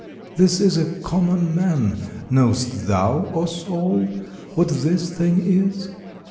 'This is a common man: knowest thou, O soul, What this thing is?